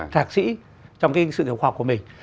thạc sĩ trong cái sự nghiệp khoa học của mình